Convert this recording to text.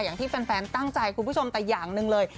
อย่างที่แฟนตั้งใจคุณผู้ชมแต่อย่างหนึ่งเลย